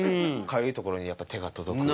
かゆい所にやっぱ手が届く。